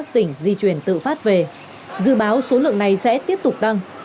tỉnh di chuyển tự phát về dự báo số lượng này sẽ tiếp tục tăng